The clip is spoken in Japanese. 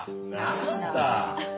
何だ。